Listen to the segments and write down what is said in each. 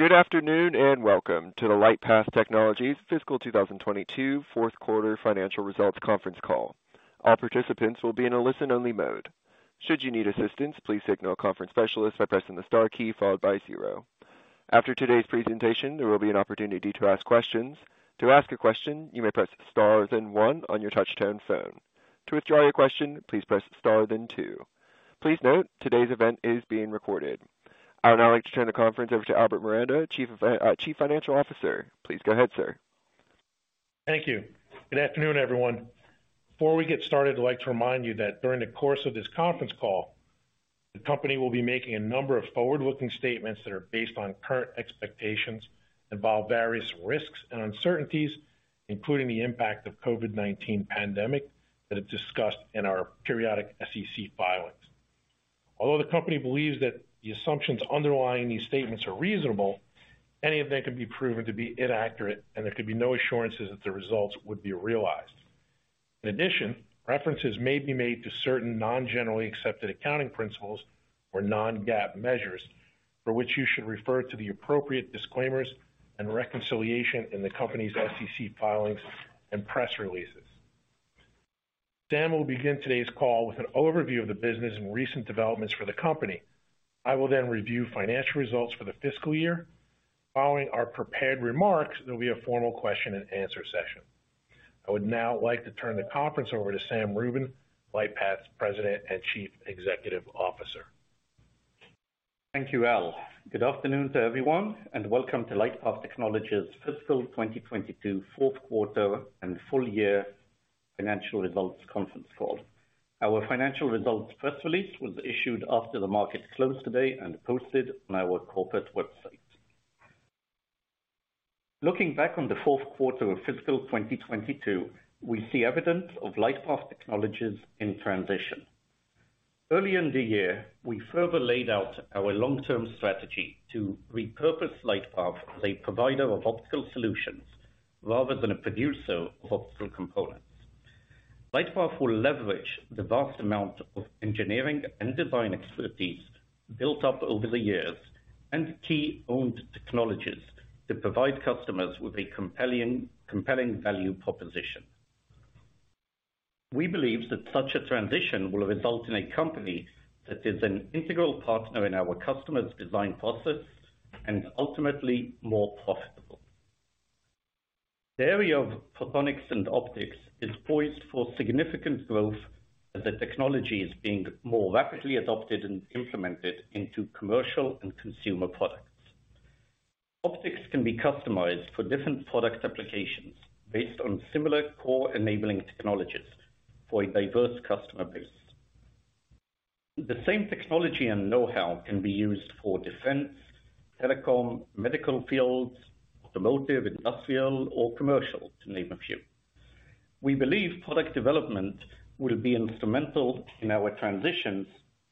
Good afternoon, and welcome to the LightPath Technologies' fiscal 2022 fourth quarter financial results conference call. All participants will be in a listen-only mode. Should you need assistance, please signal a conference specialist by pressing the star key followed by zero. After today's presentation, there will be an opportunity to ask questions. To ask a question, you may press star then one on your touchtone phone. To withdraw your question, please press star then two. Please note, today's event is being recorded. I would now like to turn the conference over to Albert Miranda, Chief Financial Officer. Please go ahead, sir. Thank you. Good afternoon, everyone. Before we get started, I'd like to remind you that during the course of this conference call, the company will be making a number of forward-looking statements that are based on current expectations, involve various risks and uncertainties, including the impact of COVID-19 pandemic, that are discussed in our periodic SEC filings. Although the company believes that the assumptions underlying these statements are reasonable, any of them could be proven to be inaccurate, and there could be no assurances that the results would be realized. In addition, references may be made to certain non-generally accepted accounting principles or non-GAAP measures for which you should refer to the appropriate disclaimers and reconciliation in the company's SEC filings and press releases. Sam will begin today's call with an overview of the business and recent developments for the company. I will review financial results for the fiscal year. Following our prepared remarks, there will be a formal question-and-answer session. I would now like to turn the conference over to Sam Rubin, LightPath's President and Chief Executive Officer. Thank you, Al. Good afternoon to everyone, and welcome to LightPath Technologies' fiscal 2022 fourth quarter and full year financial results conference call. Our financial results press release was issued after the market closed today and posted on our corporate website. Looking back on the fourth quarter of fiscal 2022, we see evidence of LightPath Technologies in transition. Early in the year, we further laid out our long-term strategy to repurpose LightPath as a provider of optical solutions rather than a producer of optical components. LightPath will leverage the vast amount of engineering and design expertise built up over the years and key owned technologies to provide customers with a compelling value proposition. We believe that such a transition will result in a company that is an integral partner in our customer's design process and ultimately more profitable. The area of photonics and optics is poised for significant growth as the technology is being more rapidly adopted and implemented into commercial and consumer products. Optics can be customized for different product applications based on similar core enabling technologies for a diverse customer base. The same technology and know-how can be used for defense, telecom, medical fields, automotive, industrial, or commercial, to name a few. We believe product development will be instrumental in our transition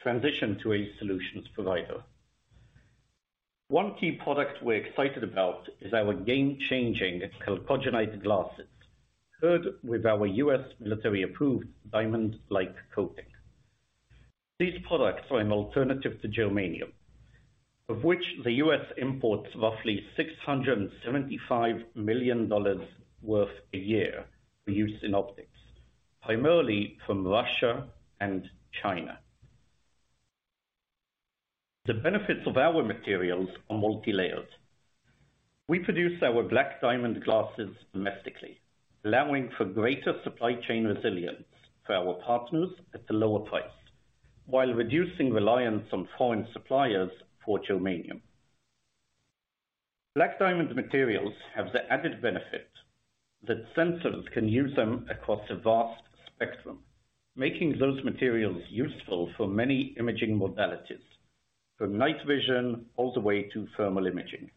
to a solutions provider. One key product we're excited about is our game-changing chalcogenide glasses, paired with our U.S. military-approved diamond-like coating. These products are an alternative to germanium, of which the U.S. imports roughly $675 million worth a year for use in optics, primarily from Russia and China. The benefits of our materials are multi-layers. We produce our BlackDiamond glasses domestically, allowing for greater supply chain resilience for our partners at a lower price, while reducing reliance on foreign suppliers for germanium. BlackDiamond materials have the added benefit that sensors can use them across a vast spectrum, making those materials useful for many imaging modalities, from night vision all the way to thermal imaging.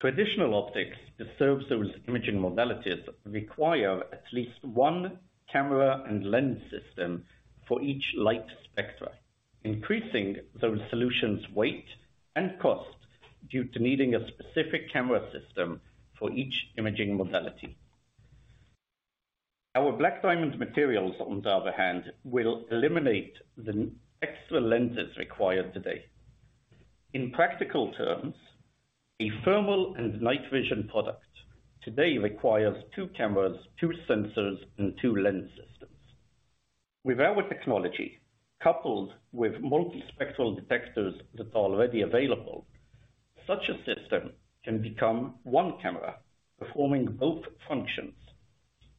Traditional optics that serve those imaging modalities require at least one camera and lens system for each light spectra, increasing those solutions' weight and cost due to needing a specific camera system for each imaging modality. Our BlackDiamond materials, on the other hand, will eliminate the extra lenses required today. In practical terms, a thermal and night vision product today requires two cameras, two sensors, and two lens systems. With our technology, coupled with multi-spectral detectors that are already available, such a system can become one camera performing both functions.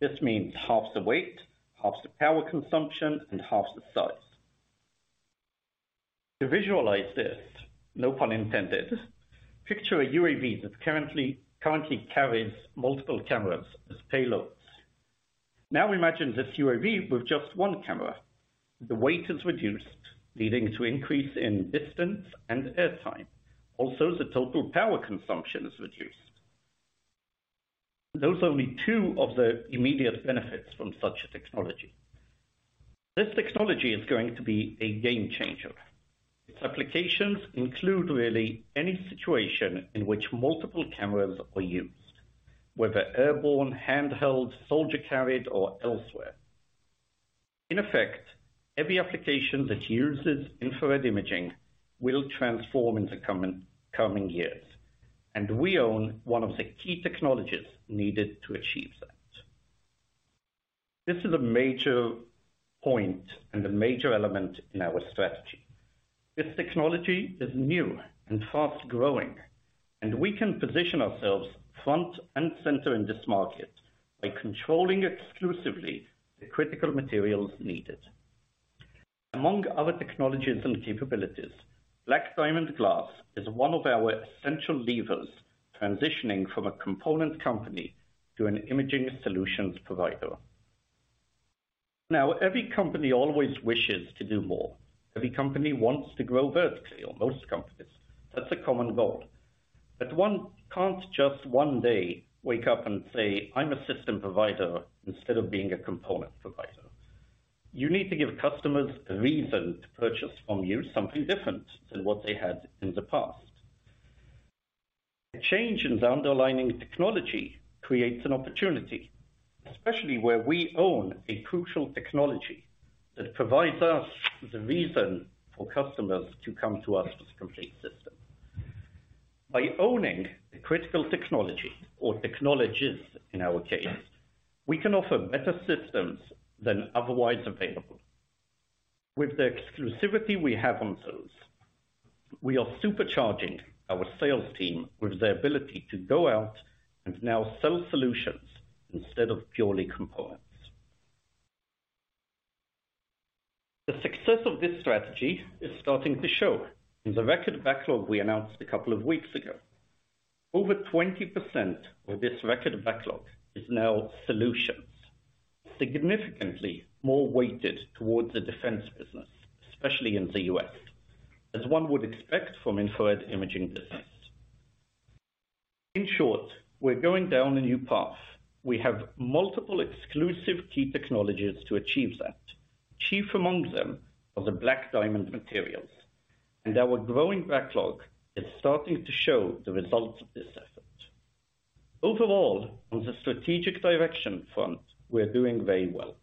This means half the weight, half the power consumption, and half the size. To visualize this, no pun intended, picture a UAV that currently carries multiple cameras as payloads. Now imagine this UAV with just one camera. The weight is reduced, leading to increase in distance and air time. Also, the total power consumption is reduced. Those are only two of the immediate benefits from such a technology. This technology is going to be a game changer. Its applications include really any situation in which multiple cameras are used, whether airborne, handheld, soldier-carried, or elsewhere. In effect, every application that uses infrared imaging will transform in the coming years, and we own one of the key technologies needed to achieve that. This is a major point and a major element in our strategy. This technology is new and fast-growing, and we can position ourselves front and center in this market by controlling exclusively the critical materials needed. Among other technologies and capabilities, BlackDiamond glass is one of our essential levers transitioning from a component company to an imaging solutions provider. Now, every company always wishes to do more. Every company wants to grow vertically, or most companies. That's a common goal. One can't just one day wake up and say, "I'm a system provider instead of being a component provider." You need to give customers a reason to purchase from you something different than what they had in the past. A change in the underlying technology creates an opportunity, especially where we own a crucial technology that provides us the reason for customers to come to us with complete system. By owning the critical technology or technologies, in our case, we can offer better systems than otherwise available. With the exclusivity we have on those, we are supercharging our sales team with the ability to go out and now sell solutions instead of purely components. The success of this strategy is starting to show in the record backlog we announced a couple of weeks ago. Over 20% of this record backlog is now solutions, significantly more weighted towards the defense business, especially in the U.S., as one would expect from infrared imaging business. In short, we're going down a new path. We have multiple exclusive key technologies to achieve that. Chief among them are the BlackDiamond materials, and our growing backlog is starting to show the results of this effort. Overall, on the strategic direction front, we're doing very well,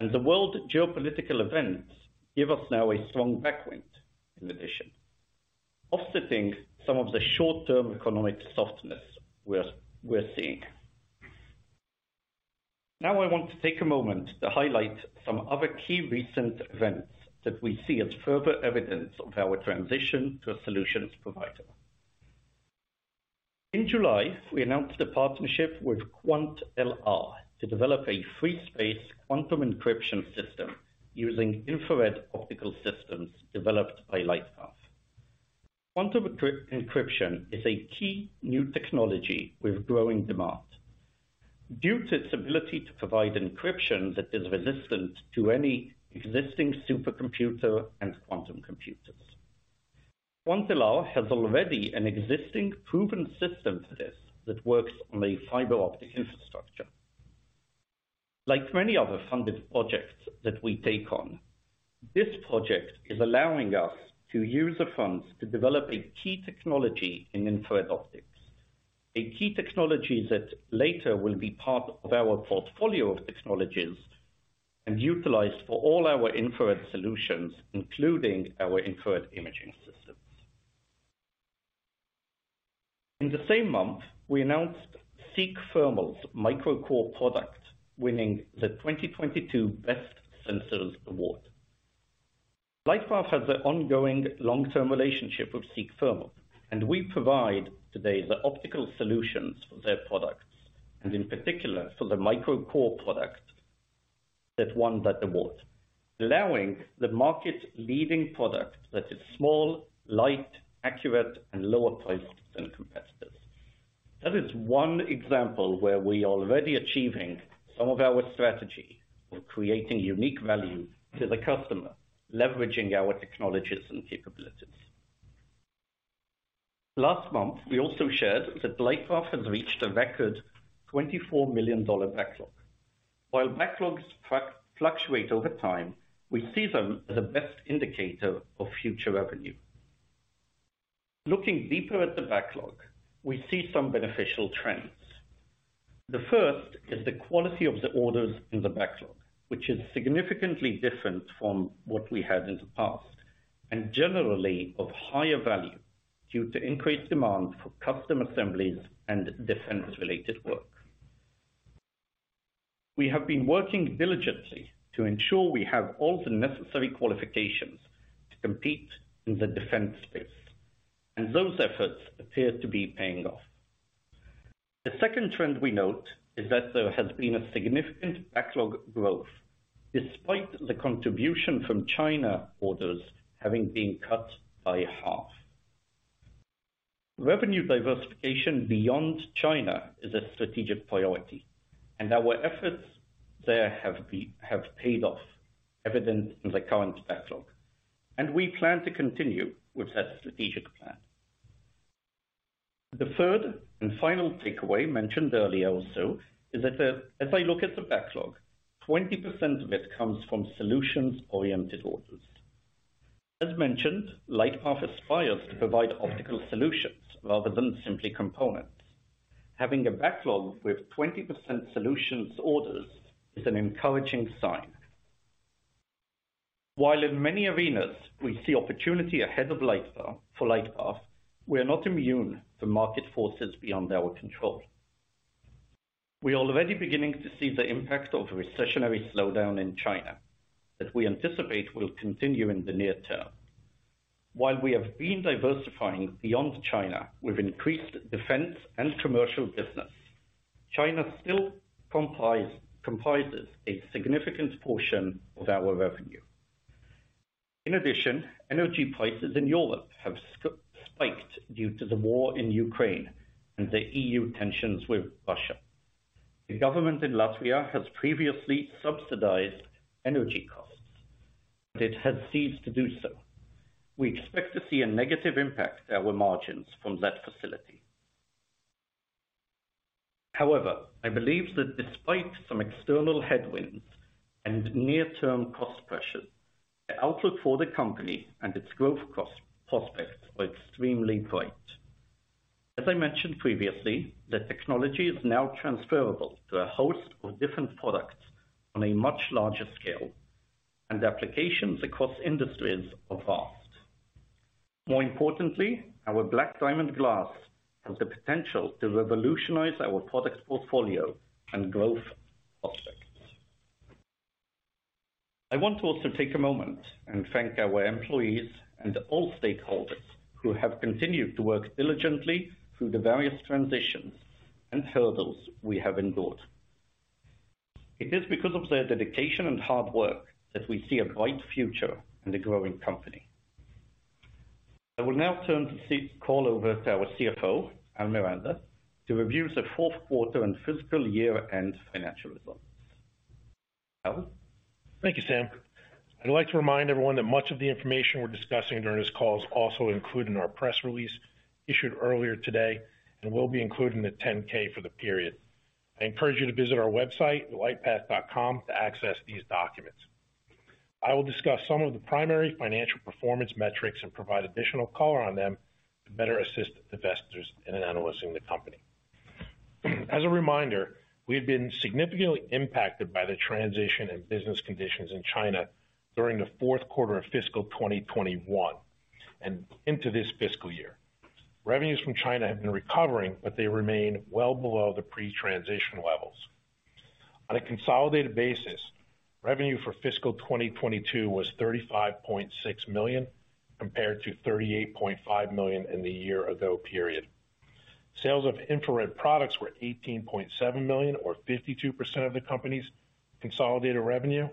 and the world geopolitical events give us now a strong backwind in addition, offsetting some of the short-term economic softness we're seeing. Now, I want to take a moment to highlight some other key recent events that we see as further evidence of our transition to a solutions provider. In July, we announced a partnership with QuantLR to develop a free space quantum encryption system using infrared optical systems developed by LightPath. Quantum encryption is a key new technology with growing demand due to its ability to provide encryption that is resistant to any existing supercomputer and quantum computers. QuantLR has already an existing proven system for this that works on a fiber optic infrastructure. Like many other funded projects that we take on, this project is allowing us to use the funds to develop a key technology in infrared optics, a key technology that later will be part of our portfolio of technologies and utilized for all our infrared solutions, including our infrared imaging systems. In the same month, we announced Seek Thermal's Micro Core product, winning the 2022 Best of Sensors Award. LightPath has an ongoing long-term relationship with Seek Thermal, and we provide today the optical solutions for their products, and in particular for the Micro Core product that won that award, allowing the market leading product that is small, light, accurate and lower priced than competitors. That is one example where we already achieving some of our strategy. We're creating unique value to the customer, leveraging our technologies and capabilities. Last month, we also shared that LightPath has reached a record $24 million backlog. While backlogs fluctuate over time, we see them as the best indicator of future revenue. Looking deeper at the backlog, we see some beneficial trends. The first is the quality of the orders in the backlog, which is significantly different from what we had in the past, and generally of higher value due to increased demand for custom assemblies and defense-related work. We have been working diligently to ensure we have all the necessary qualifications to compete in the defense space, and those efforts appear to be paying off. The second trend we note is that there has been a significant backlog growth despite the contribution from China orders having been cut by half. Revenue diversification beyond China is a strategic priority, and our efforts there have paid off, evident in the current backlog, and we plan to continue with that strategic plan. The third and final takeaway mentioned earlier also is that, as I look at the backlog, 20% of it comes from solutions-oriented orders. As mentioned, LightPath aspires to provide optical solutions rather than simply components. Having a backlog with 20% solutions orders is an encouraging sign. While in many arenas we see opportunity ahead of LightPath, for LightPath, we are not immune to market forces beyond our control. We are already beginning to see the impact of a recessionary slowdown in China that we anticipate will continue in the near term. While we have been diversifying beyond China with increased defense and commercial business, China still comprises a significant portion of our revenue. In addition, energy prices in Europe have spiked due to the war in Ukraine and the EU tensions with Russia. The government in Latvia has previously subsidized energy costs, but it has ceased to do so. We expect to see a negative impact to our margins from that facility. However, I believe that despite some external headwinds and near-term cost pressures, the outlook for the company and its growth cost prospects are extremely bright. As I mentioned previously, the technology is now transferable to a host of different products on a much larger scale, and applications across industries are vast. More importantly, our BlackDiamond glass has the potential to revolutionize our products portfolio and growth prospects. I want to also take a moment and thank our employees and all stakeholders who have continued to work diligently through the various transitions and hurdles we have endured. It is because of their dedication and hard work that we see a bright future in the growing company. I will now turn the call over to our CFO, Al Miranda, to review the fourth quarter and fiscal year-end financial results. Al? Thank you, Sam. I'd like to remind everyone that much of the information we're discussing during this call is also included in our press release issued earlier today and will be included in the 10-K for the period. I encourage you to visit our website, lightpath.com, to access these documents. I will discuss some of the primary financial performance metrics and provide additional color on them to better assist investors in analyzing the company. As a reminder, we've been significantly impacted by the transition and business conditions in China during the fourth quarter of fiscal 2021 and into this fiscal year. Revenues from China have been recovering, but they remain well below the pre-transition levels. On a consolidated basis, revenue for fiscal 2022 was $35.6 million, compared to $38.5 million in the year ago period. Sales of infrared products were $18.7 million or 52% of the company's consolidated revenue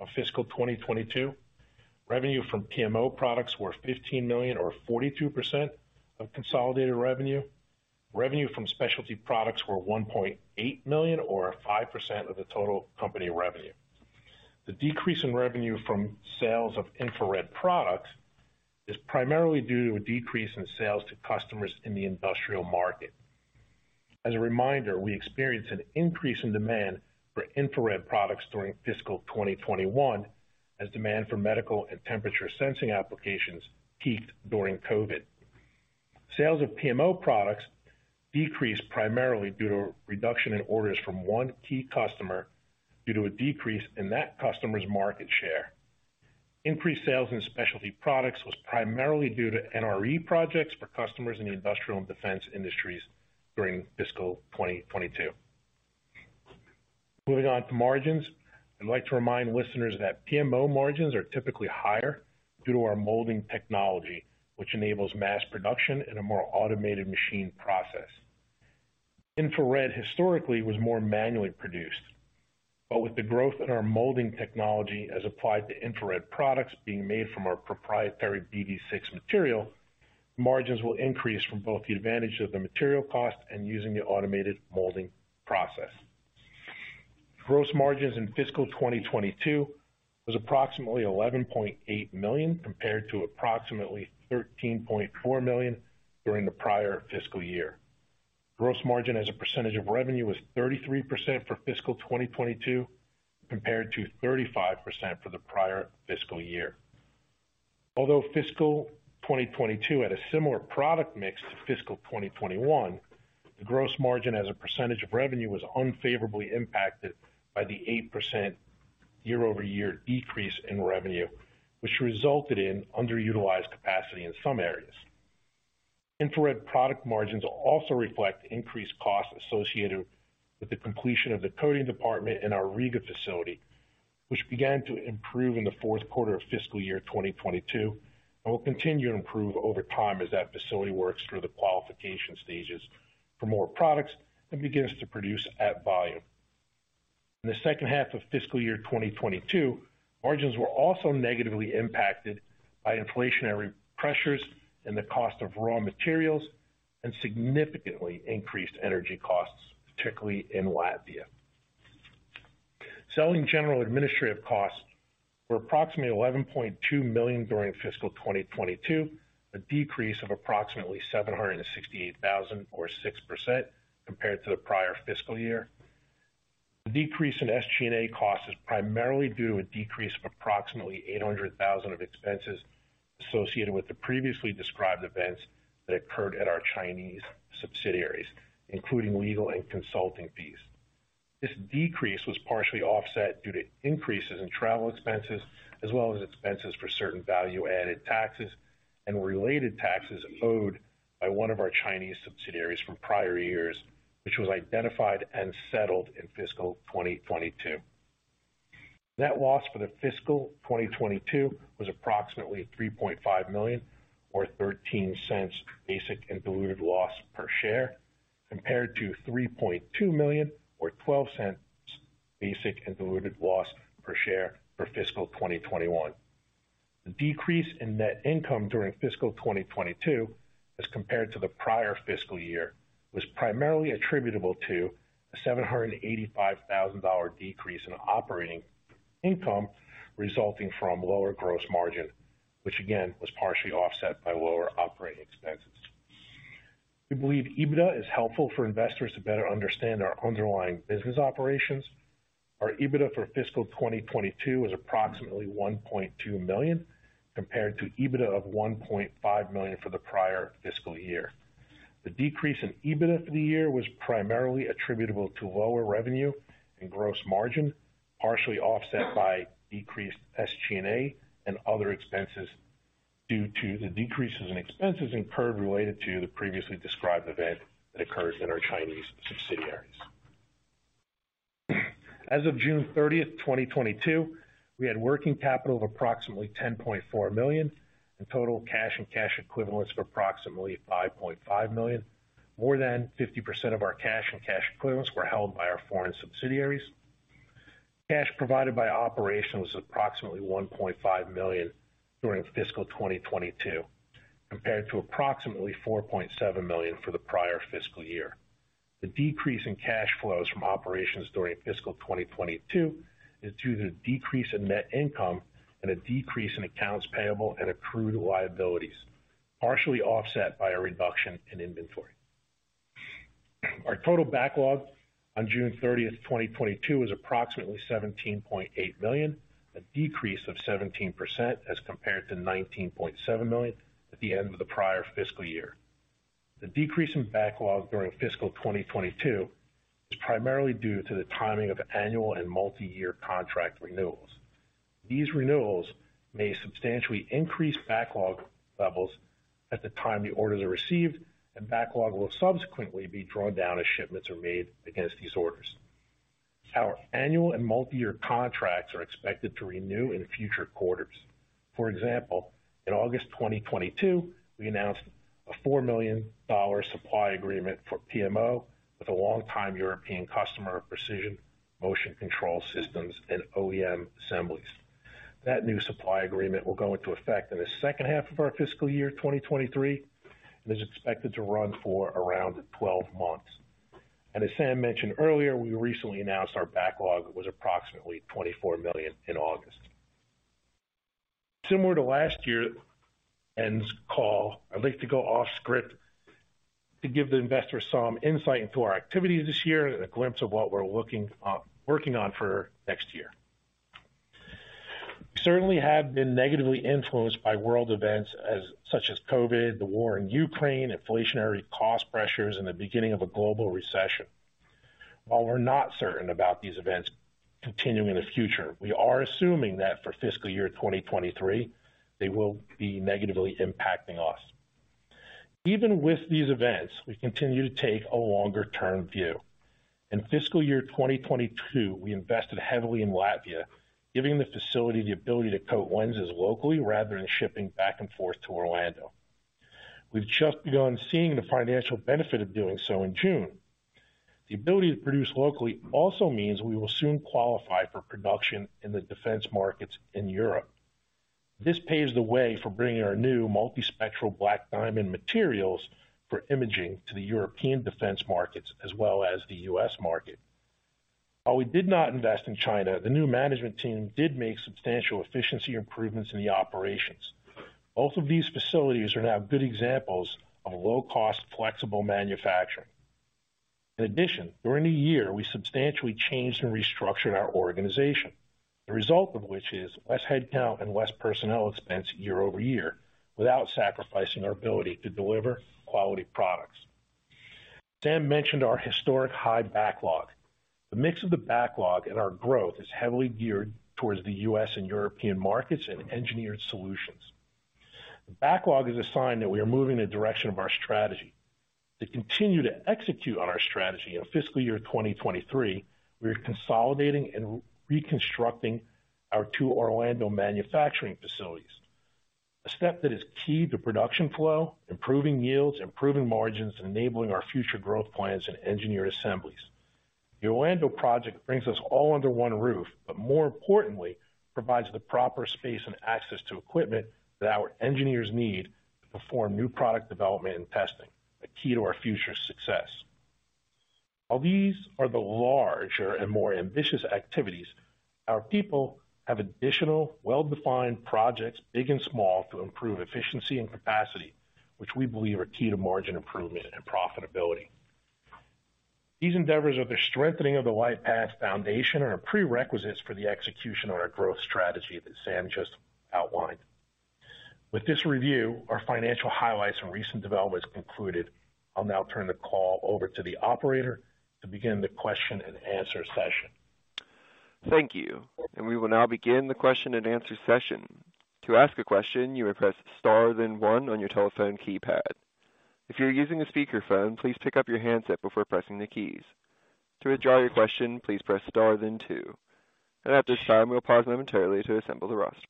of fiscal 2022. Revenue from PMO products were $15 million or 42% of consolidated revenue. Revenue from specialty products were $1.8 million or 5% of the total company revenue. The decrease in revenue from sales of infrared products is primarily due to a decrease in sales to customers in the industrial market. As a reminder, we experienced an increase in demand for infrared products during fiscal 2021 as demand for medical and temperature sensing applications peaked during COVID. Sales of PMO products decreased primarily due to a reduction in orders from one key customer due to a decrease in that customer's market share. Increased sales in specialty products was primarily due to NRE projects for customers in the industrial and defense industries during fiscal 2022. Moving on to margins. I'd like to remind listeners that PMO margins are typically higher due to our molding technology, which enables mass production in a more automated machine process. Infrared historically was more manually produced, with the growth in our molding technology as applied to infrared products being made from our proprietary BD6 material, margins will increase from both the advantage of the material cost and using the automated molding process. Gross margins in fiscal 2022 was approximately $11.8 million, compared to approximately $13.4 million during the prior fiscal year. Gross margin as a percentage of revenue was 33% for fiscal 2022, compared to 35% for the prior fiscal year. Although fiscal 2022 had a similar product mix to fiscal 2021, the gross margin as a percentage of revenue was unfavorably impacted by the 8% year-over-year decrease in revenue, which resulted in underutilized capacity in some areas. Infrared product margins also reflect increased costs associated with the completion of the coating department in our Riga facility, which began to improve in the fourth quarter of fiscal year 2022 and will continue to improve over time as that facility works through the qualification stages for more products and begins to produce at volume. In the second half of fiscal year 2022, margins were also negatively impacted by inflationary pressures and the cost of raw materials and significantly increased energy costs, particularly in Latvia. Selling general administrative costs were approximately $11.2 million during fiscal 2022, a decrease of approximately $768,000 or 6% compared to the prior fiscal year. The decrease in SG&A costs is primarily due to a decrease of approximately $800,000 of expenses associated with the previously described events that occurred at our Chinese subsidiaries, including legal and consulting fees. This decrease was partially offset due to increases in travel expenses as well as expenses for certain value-added taxes and related taxes owed by one of our Chinese subsidiaries from prior years, which was identified and settled in fiscal 2022. Net loss for fiscal 2022 was approximately $3.5 million, or $0.13 basic and diluted loss per share, compared to $3.2 million or $0.12 basic and diluted loss per share for fiscal 2021. The decrease in net income during fiscal 2022 as compared to the prior fiscal year was primarily attributable to a $785,000 decrease in operating income resulting from lower gross margin, which again was partially offset by lower operating expenses. We believe EBITDA is helpful for investors to better understand our underlying business operations. Our EBITDA for fiscal 2022 was approximately $1.2 million, compared to EBITDA of $1.5 million for the prior fiscal year. The decrease in EBITDA for the year was primarily attributable to lower revenue and gross margin, partially offset by decreased SG&A and other expenses due to the decreases in expenses incurred related to the previously described event that occurs in our Chinese subsidiaries. As of June 30th, 2022, we had working capital of approximately $10.4 million and total cash and cash equivalents of approximately $5.5 million. More than 50% of our cash and cash equivalents were held by our foreign subsidiaries. Cash provided by operations was approximately $1.5 million during fiscal 2022, compared to approximately $4.7 million for the prior fiscal year. The decrease in cash flows from operations during fiscal 2022 is due to the decrease in net income and a decrease in accounts payable and accrued liabilities, partially offset by a reduction in inventory. Our total backlog on June 30th, 2022 was approximately $17.8 million, a decrease of 17% as compared to $19.7 million at the end of the prior fiscal year. The decrease in backlog during fiscal 2022 is primarily due to the timing of annual and multi-year contract renewals. These renewals may substantially increase backlog levels at the time the orders are received, and backlog will subsequently be drawn down as shipments are made against these orders. Our annual and multi-year contracts are expected to renew in future quarters. For example, in August 2022, we announced a $4 million supply agreement for PMO with a long-time European customer of precision motion control systems and OEM assemblies. That new supply agreement will go into effect in the second half of our fiscal year 2023, and is expected to run for around 12 months. As Sam mentioned earlier, we recently announced our backlog was approximately $24 million in August. Similar to last year's earnings call, I'd like to go off script to give the investors some insight into our activities this year and a glimpse of what we're working on for next year. We certainly have been negatively influenced by world events such as COVID, the war in Ukraine, inflationary cost pressures, and the beginning of a global recession. While we're not certain about these events continuing in the future, we are assuming that for fiscal year 2023, they will be negatively impacting us. Even with these events, we continue to take a longer-term view. In fiscal year 2022, we invested heavily in Latvia, giving the facility the ability to coat lenses locally rather than shipping back and forth to Orlando. We've just begun seeing the financial benefit of doing so in June. The ability to produce locally also means we will soon qualify for production in the defense markets in Europe. This paves the way for bringing our new multi-spectral BlackDiamond materials for imaging to the European defense markets, as well as the U.S. market. While we did not invest in China, the new management team did make substantial efficiency improvements in the operations. Both of these facilities are now good examples of low-cost, flexible manufacturing. In addition, during the year, we substantially changed and restructured our organization, the result of which is less headcount and less personnel expense year-over-year without sacrificing our ability to deliver quality products. Sam mentioned our historic high backlog. The mix of the backlog and our growth is heavily geared towards the U.S. and European markets in engineered solutions. The backlog is a sign that we are moving in the direction of our strategy. To continue to execute on our strategy in fiscal year 2023, we are consolidating and reconstructing our two Orlando manufacturing facilities, a step that is key to production flow, improving yields, improving margins, enabling our future growth plans and engineer assemblies. The Orlando project brings us all under one roof, but more importantly, provides the proper space and access to equipment that our engineers need to perform new product development and testing, a key to our future success. While these are the larger and more ambitious activities. Our people have additional well-defined projects, big and small, to improve efficiency and capacity, which we believe are key to margin improvement and profitability. These endeavors are the strengthening of the LightPath foundation and are prerequisites for the execution on our growth strategy that Sam just outlined. With this review, our financial highlights and recent developments concluded, I'll now turn the call over to the operator to begin the question and answer session. Thank you. We will now begin the question and answer session. To ask a question, you may press star then one on your telephone keypad. If you're using a speakerphone, please pick up your handset before pressing the keys. To withdraw your question, please press star then two. At this time, we'll pause momentarily to assemble the roster.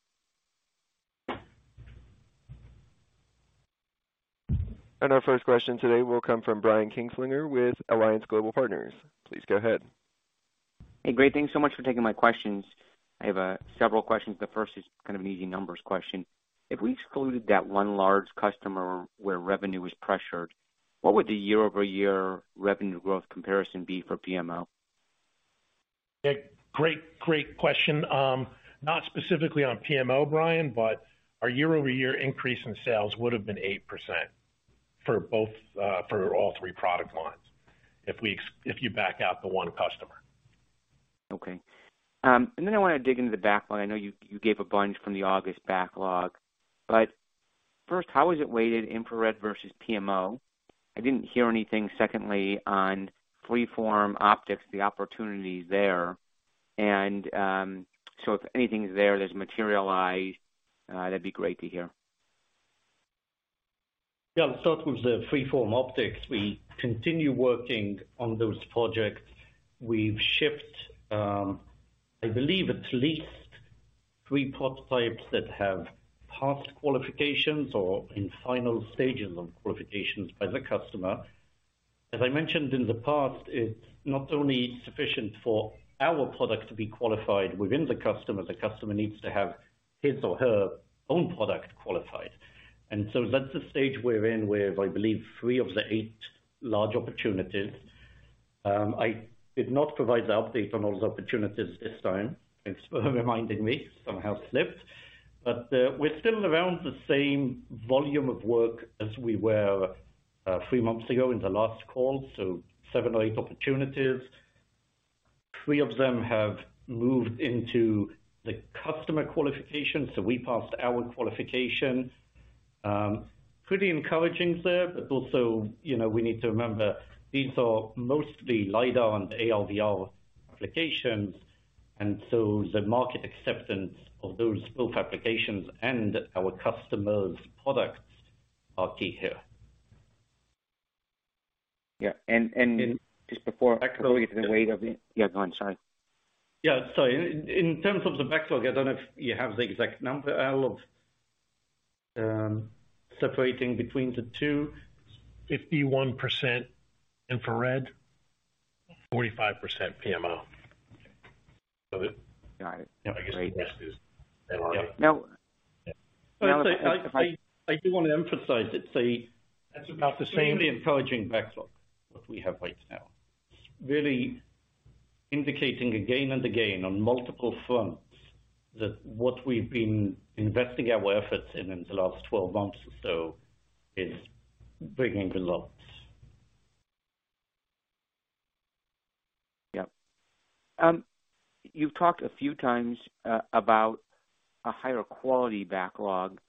Our first question today will come from Brian Kinstlinger with Alliance Global Partners. Please go ahead. Hey, great. Thanks so much for taking my questions. I have several questions. The first is kind of an easy numbers question. If we excluded that one large customer where revenue was pressured, what would the year-over-year revenue growth comparison be for PMO? Yeah, great question. Not specifically on PMO, Brian, but our year-over-year increase in sales would have been 8% for both, for all three product lines. If you back out the one customer. Okay. I wanna dig into the backlog. I know you gave a bunch from the August backlog, but first, how was it weighted infrared versus PMO? I didn't hear anything. Secondly, on freeform optics, the opportunities there. If anything's there that's materialized, that'd be great to hear. Yeah. I'll start with the freeform optics. We continue working on those projects. We've shipped, I believe it's at least three prototypes that have passed qualifications or in final stages of qualifications by the customer. As I mentioned in the past, it's not only sufficient for our product to be qualified within the customer, the customer needs to have his or her own product qualified. That's the stage we're in with, I believe, three of the eight large opportunities. I did not provide the update on all the opportunities this time. Thanks for reminding me. Somehow slipped. We're still around the same volume of work as we were three months ago in the last call, so seven or eight opportunities. Three of them have moved into the customer qualification, so we passed our qualification. Pretty encouraging there, but also, you know, we need to remember, these are mostly LIDAR and AR/VR applications, and so the market acceptance of those both applications and our customers' products are key here. Yeah. Just before I go into the weight of it. Yeah, go on. Sorry. Yeah, sorry. In terms of the backlog, I don't know if you have the exact number, l love separating between the two. 51% infrared, 45% PMO. Got it. I guess the best is. Now. I do wanna emphasize it's. That's about the same. Really encouraging backlog that we have right now. Really indicating again and again on multiple fronts that what we've been investing our efforts in the last 12 months or so is bringing the lots. Yeah. You've talked a few times about a higher quality backlog.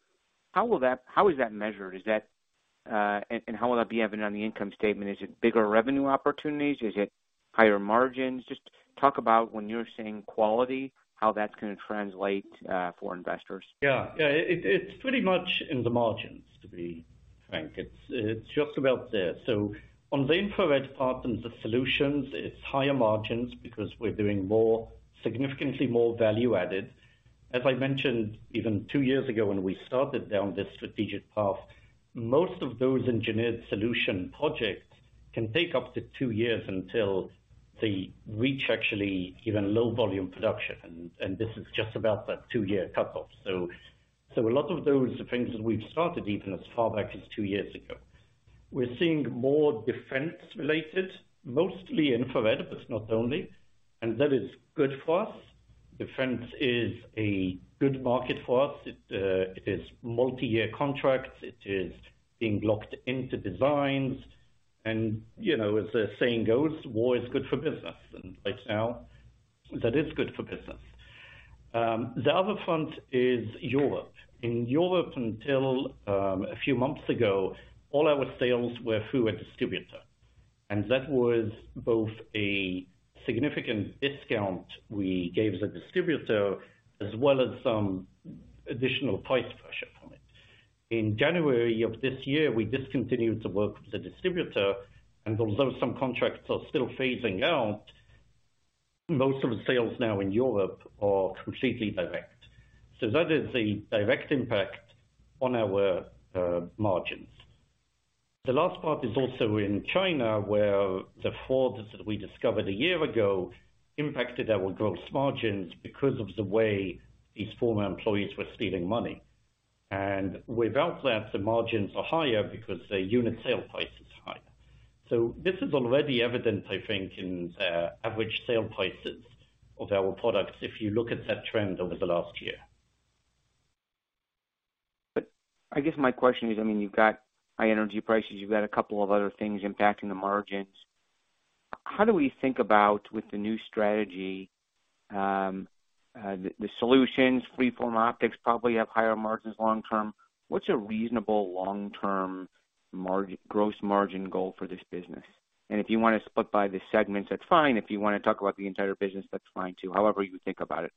How is that measured? Is that, and how will that be evident on the income statement? Is it bigger revenue opportunities? Is it higher margins? Just talk about when you're saying quality, how that's gonna translate for investors. Yeah. Yeah. It's pretty much in the margins, to be frank. It's just about there. On the infrared part and the solutions, it's higher margins because we're doing more, significantly more value added. As I mentioned, even two years ago, when we started down this strategic path, most of those engineered solution projects can take up to two years until they reach actually even low volume production, and this is just about that two-year cut-off. A lot of those are things that we've started even as far back as two years ago. We're seeing more defense related, mostly infrared, but not only, and that is good for us. Defense is a good market for us. It is multi-year contracts. It is being locked into designs. You know, as the saying goes, war is good for business. Right now, that is good for business. The other front is Europe. In Europe, until a few months ago, all our sales were through a distributor, and that was both a significant discount we gave the distributor, as well as some additional price pressure from it. In January of this year, we discontinued the work with the distributor, and although some contracts are still phasing out, most of the sales now in Europe are completely direct. That is a direct impact on our margins. The last part is also in China, where the fraud that we discovered a year ago impacted our gross margins because of the way these former employees were stealing money. Without that, the margins are higher because the unit sale price is higher. This is already evident, I think, in the average sales prices of our products if you look at that trend over the last year. I guess my question is, I mean, you've got high energy prices, you've got a couple of other things impacting the margins. How do we think about with the new strategy, the solutions, freeform optics probably have higher margins long term. What's your reasonable long-term gross margin goal for this business? And if you want to split by the segment, that's fine. If you wanna talk about the entire business, that's fine too. However you think about it.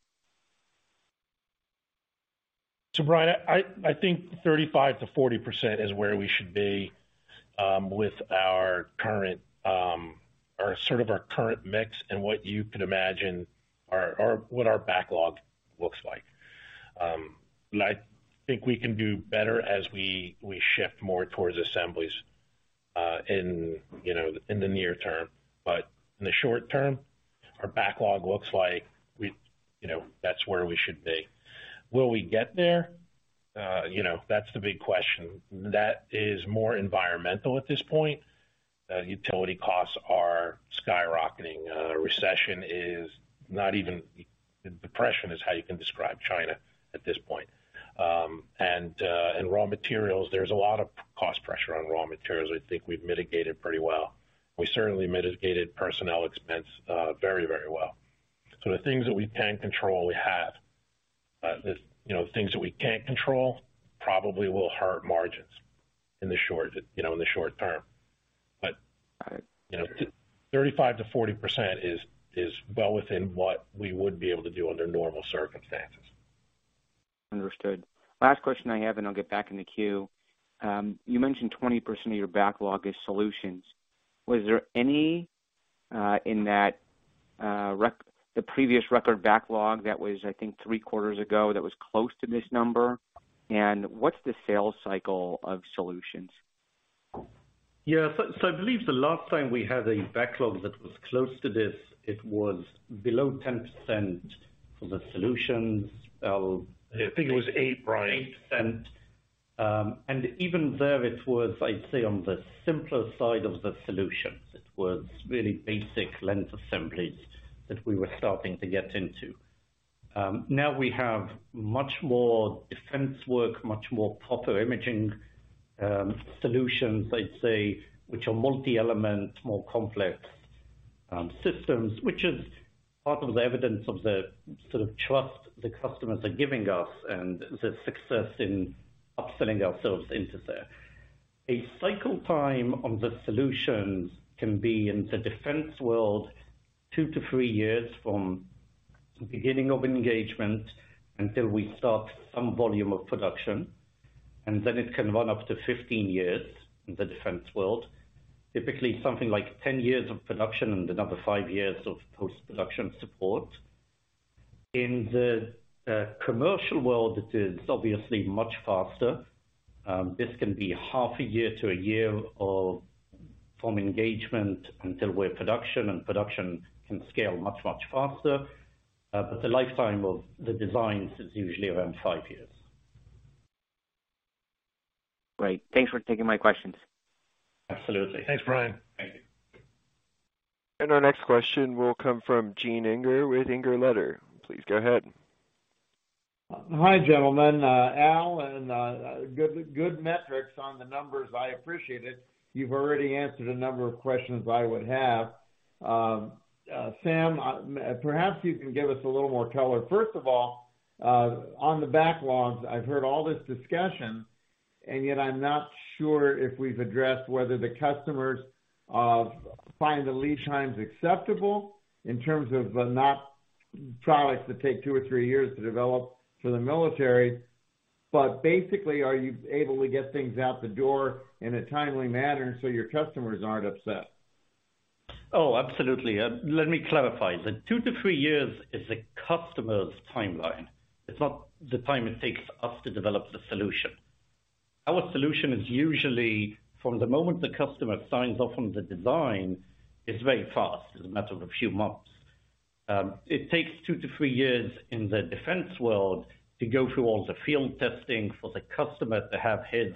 Brian, I think 35%-40% is where we should be with our current or sort of our current mix and what you could imagine our backlog looks like. I think we can do better as we shift more towards assemblies, you know, in the near term. But in the short term, our backlog looks like, you know, that's where we should be. Will we get there? You know, that's the big question. That is more environmental at this point. Utility costs are skyrocketing. Depression is how you can describe China at this point. Raw materials, there's a lot of cost pressure on raw materials. I think we've mitigated pretty well. We certainly mitigated personnel expense very well. The things that we can control, we have. You know, things that we can't control probably will hurt margins in the short term. You know, 35%-40% is well within what we would be able to do under normal circumstances. Understood. Last question I have, and I'll get back in the queue. You mentioned 20% of your backlog is solutions. Was there any in that the previous record backlog that was, I think, three quarters ago, that was close to this number? And what's the sales cycle of solutions? I believe the last time we had a backlog that was close to this, it was below 10% for the solutions. I think it was 8%, Brian 8%. Even there, it was, I'd say, on the simpler side of the solutions. It was really basic lens assemblies that we were starting to get into. Now we have much more defense work, much more proper imaging solutions, I'd say, which are multi-element, more complex systems, which is part of the evidence of the sort of trust the customers are giving us and the success in upselling ourselves into there. A cycle time on the solutions can be, in the defense world, 2-3 years from beginning of engagement until we start some volume of production, and then it can run up to 15 years in the defense world. Typically, something like 10 years of production and another five years of post-production support. In the commercial world, it is obviously much faster. This can be half a year to a year from engagement until we're in production, and production can scale much, much faster. The lifetime of the designs is usually around five years. Great. Thanks for taking my questions. Absolutely. Thanks, Brian. Thank you. Our next question will come from Gene Inger with Inger Letter. Please go ahead. Hi, gentlemen. Al and good metrics on the numbers. I appreciate it. You've already answered a number of questions I would have. Sam, perhaps you can give us a little more color. First of all, on the backlogs, I've heard all this discussion, and yet I'm not sure if we've addressed whether the customers find the lead times acceptable in terms of the not products that take two or three years to develop for the military. Basically, are you able to get things out the door in a timely manner so your customers aren't upset? Oh, absolutely. Let me clarify. The 2-3 years is the customer's timeline. It's not the time it takes us to develop the solution. Our solution is usually from the moment the customer signs off on the design, it's very fast. It's a matter of a few months. It takes 2-3 years in the defense world to go through all the field testing for the customer to have his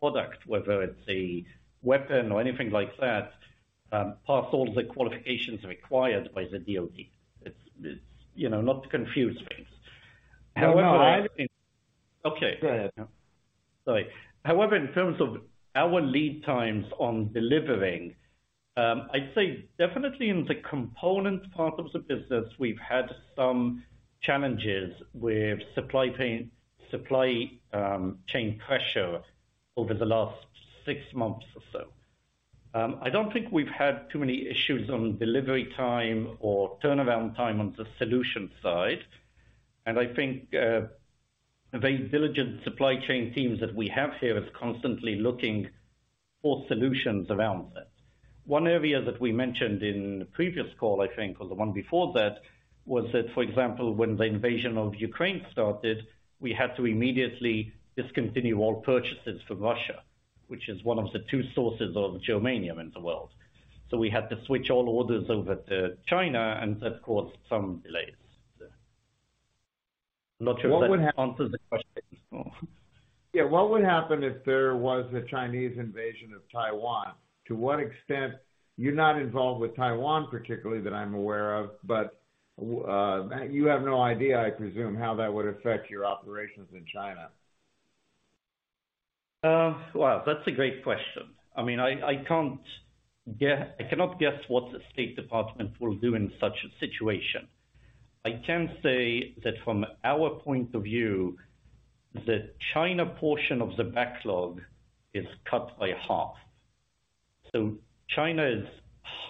product, whether it's a weapon or anything like that, pass all the qualifications required by the DoD. It's, you know, not to confuse things. No, no. Okay. Go ahead. Sorry. However, in terms of our lead times on delivering, I'd say definitely in the component part of the business, we've had some challenges with supply chain pressure over the last six months or so. I don't think we've had too many issues on delivery time or turnaround time on the solution side. I think a very diligent supply chain teams that we have here is constantly looking for solutions around that. One area that we mentioned in the previous call, I think, or the one before that, was that, for example, when the invasion of Ukraine started, we had to immediately discontinue all purchases from Russia, which is one of the two sources of germanium in the world. We had to switch all orders over to China, and that caused some delays. Not sure that answers the question. Yeah. What would happen if there was a Chinese invasion of Taiwan? You're not involved with Taiwan particularly that I'm aware of, but you have no idea, I presume, how that would affect your operations in China. That's a great question. I cannot guess what the State Department will do in such a situation. I can say that from our point of view, the China portion of the backlog is cut by half. China is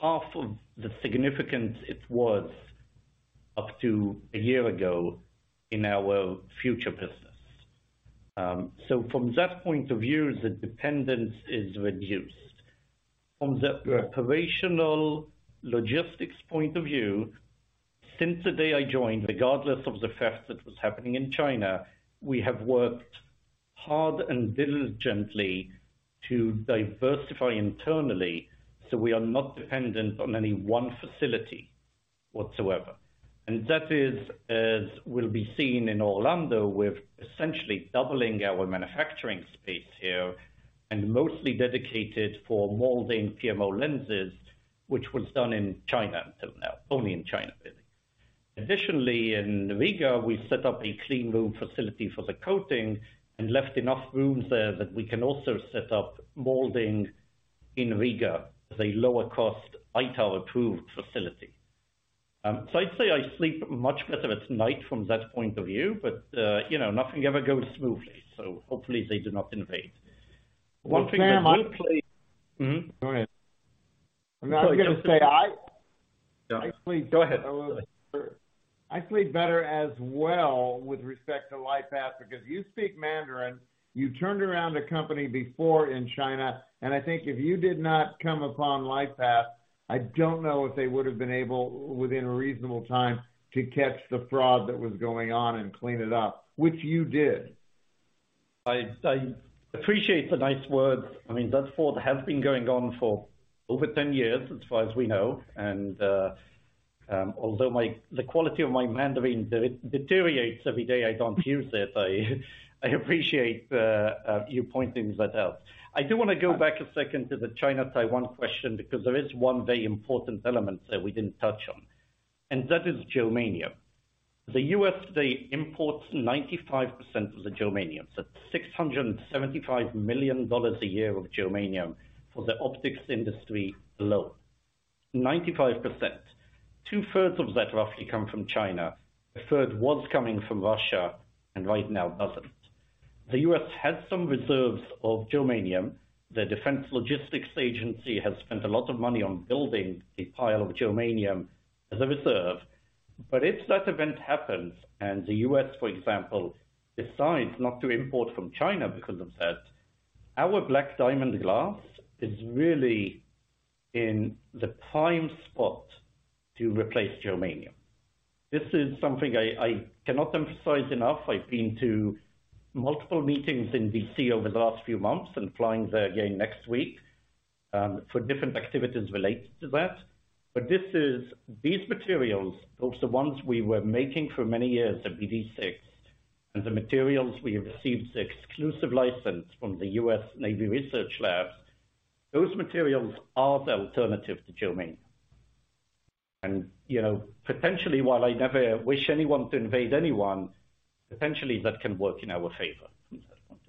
half of the significance it was up to a year ago in our future business. From that point of view, the dependence is reduced. From the operational logistics point of view, since the day I joined, regardless of the fact that was happening in China, we have worked hard and diligently to diversify internally, so we are not dependent on any one facility whatsoever. That is as will be seen in Orlando. We're essentially doubling our manufacturing space here, and mostly dedicated for molding PMO lenses, which was done in China until now, only in China, really. Additionally, in Riga, we set up a clean room facility for the coating and left enough rooms there that we can also set up molding in Riga as a lower-cost ITAR-approved facility. I'd say I sleep much better at night from that point of view. You know, nothing ever goes smoothly, so hopefully they do not invade. Well, Sam. Mm-hmm. Go ahead. I'm not gonna say I. No. I sleep- Go ahead. I sleep better as well with respect to LightPath because you speak Mandarin, you turned around a company before in China, and I think if you did not come upon LightPath, I don't know if they would've been able, within a reasonable time, to catch the fraud that was going on and clean it up, which you did. I appreciate the nice words. I mean, that fraud has been going on for over 10 years as far as we know. Although the quality of my Mandarin deteriorates every day I don't use it, I appreciate you pointing that out. I do wanna go back a second to the China-Taiwan question because there is one very important element there we didn't touch on, and that is germanium. The U.S. today imports 95% of the germanium. $675 million a year of germanium for the optics industry alone. 95%. Two-thirds of that roughly come from China. A third was coming from Russia, and right now doesn't. The U.S. has some reserves of germanium. The Defense Logistics Agency has spent a lot of money on building a pile of germanium as a reserve. If that event happens and the U.S., for example, decides not to import from China because of that, our BlackDiamond glass is really in the prime spot to replace germanium. This is something I cannot emphasize enough. I've been to multiple meetings in D.C. over the last few months, and flying there again next week, for different activities related to that. This is these materials, both the ones we were making for many years at BD6, and the materials we have received exclusive license from the U.S. Navy research labs, those materials are the alternative to germanium. You know, potentially, while I never wish anyone to invade anyone, potentially that can work in our favor from that point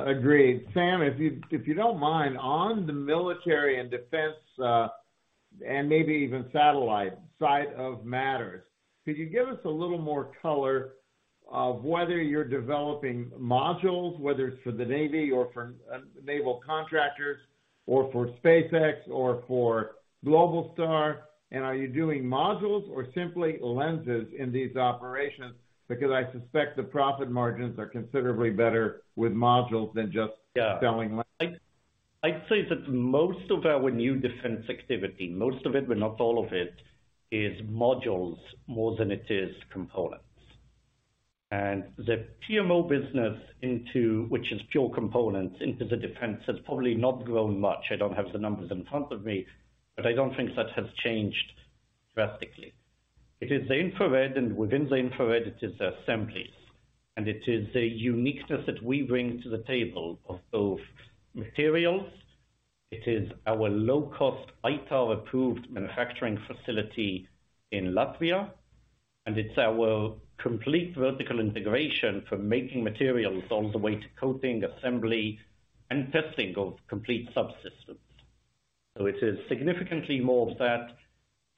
of view. Agreed. Sam, if you don't mind, on the military and defense, and maybe even satellite side of matters, could you give us a little more color of whether you're developing modules, whether it's for the Navy or for, naval contractors or for SpaceX or for Globalstar? Are you doing modules or simply lenses in these operations? Because I suspect the profit margins are considerably better with modules than just- Yeah. selling lenses. I'd say that most of our new defense activity, most of it, but not all of it, is modules more than it is components. The PMO business into which is pure components into the defense, has probably not grown much. I don't have the numbers in front of me, but I don't think that has changed drastically. It is the infrared, and within the infrared it is the assemblies. It is the uniqueness that we bring to the table of both materials. It is our low cost, ITAR approved manufacturing facility in Latvia, and it's our complete vertical integration from making materials all the way to coating, assembly, and testing of complete subsystems. It is significantly more of that.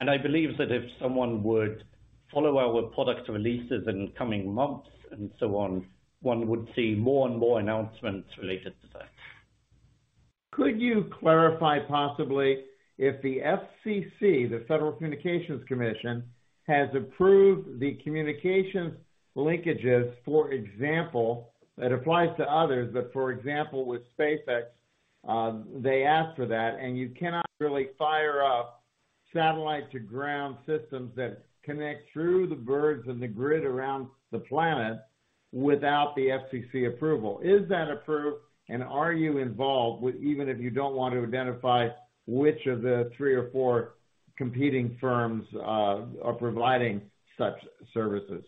I believe that if someone would follow our product releases in the coming months and so on, one would see more and more announcements related to that. Could you clarify possibly, if the FCC, the Federal Communications Commission, has approved the communications linkages, for example, that applies to others, but for example, with SpaceX, they ask for that, and you cannot really fire up satellite to ground systems that connect through the birds and the grid around the planet without the FCC approval. Is that approved? And are you involved, even if you don't want to identify which of the three or four competing firms, are providing such services?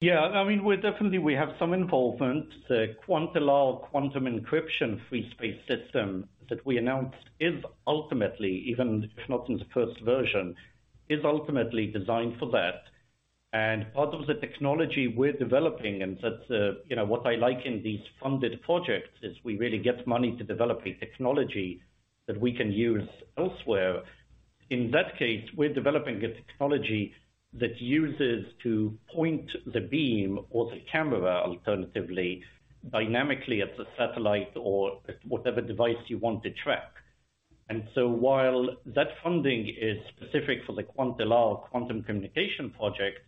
Yeah. I mean, we definitely have some involvement. The QuantLR quantum encryption free space system that we announced is ultimately designed for that, even if not in the first version. Part of the technology we're developing, and that's, you know, what I like in these funded projects, is we really get money to develop a technology that we can use elsewhere. In that case, we're developing a technology that's used to point the beam or the camera alternatively, dynamically at the satellite or at whatever device you want to track. While that funding is specific for the QuantLR quantum communication project,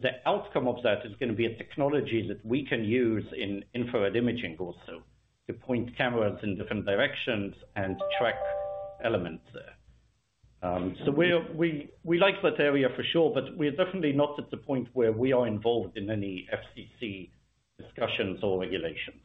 the outcome of that is gonna be a technology that we can use in infrared imaging also to point cameras in different directions and track elements there. We like that area for sure, but we're definitely not at the point where we are involved in any FCC discussions or regulations.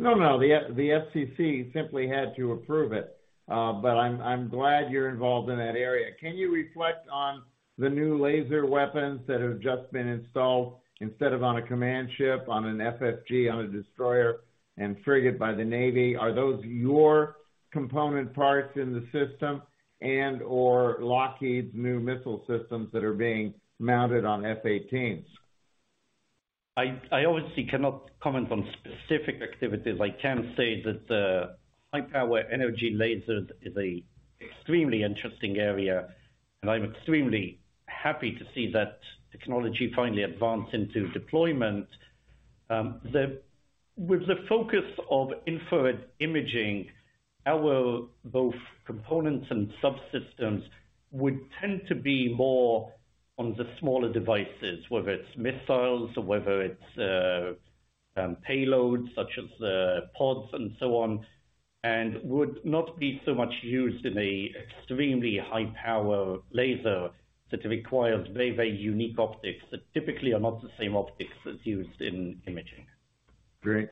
No, no. The FCC simply had to approve it. I'm glad you're involved in that area. Can you reflect on the new laser weapons that have just been installed instead of on a command ship, on an FFG, on a destroyer and frigate by the Navy? Are those your component parts in the system and/or Lockheed Martin's new missile systems that are being mounted on F/A-18s? I obviously cannot comment on specific activities. I can say that high power energy lasers is a extremely interesting area, and I'm extremely happy to see that technology finally advance into deployment. With the focus of infrared imaging, our both components and subsystems would tend to be more on the smaller devices, whether it's missiles or payloads such as the ports and so on, and would not be so much used in a extremely high power laser that requires very, very unique optics that typically are not the same optics that's used in imaging. Great.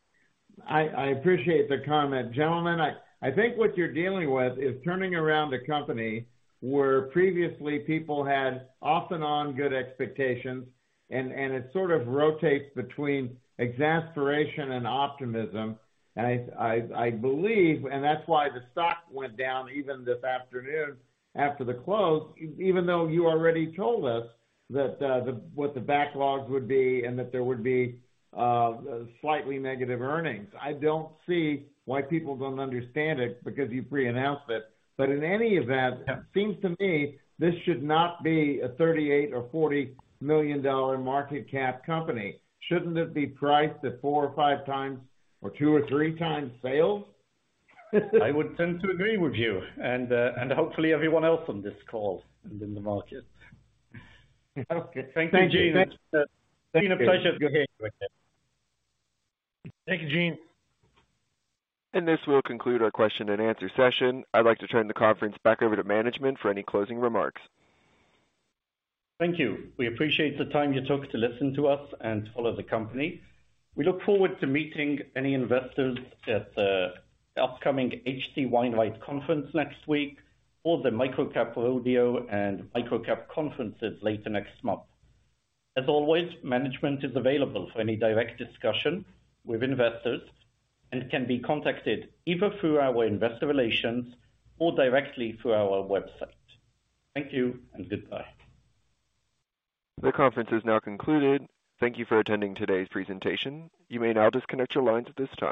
I appreciate the comment. Gentlemen, I think what you're dealing with is turning around a company where previously people had off and on good expectations and it sort of rotates between exasperation and optimism. I believe, and that's why the stock went down even this afternoon after the close, even though you already told us that, what the backlogs would be and that there would be slightly negative earnings. I don't see why people don't understand it because you pre-announced it. In any event, it seems to me this should not be a $38 million or $40 million market cap company. Shouldn't it be priced at 4x or 5x or 2x or 3x sales? I would tend to agree with you and hopefully everyone else on this call and in the market. Okay. Thank you, Gene. Thank you. It's been a pleasure to hear you again. Thank you, Gene. This will conclude our question and answer session. I'd like to turn the conference back over to management for any closing remarks. Thank you. We appreciate the time you took to listen to us and follow the company. We look forward to meeting any investors at the upcoming H.C. Wainwright Conference next week or the MicroCap Rodeo and MicroCap conferences later next month. As always, management is available for any direct discussion with investors and can be contacted either through our investor relations or directly through our website. Thank you and goodbye. The conference is now concluded. Thank you for attending today's presentation. You may now disconnect your lines at this time.